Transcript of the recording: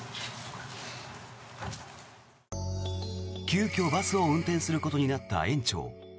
急きょ、バスを運転することになった園長。